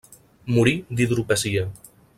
Morí d'hidropesia.